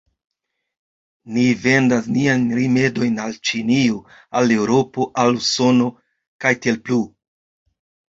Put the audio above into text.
Ni vendas niajn rimedojn al Ĉinio, al Eŭropo, al Usono, ktp.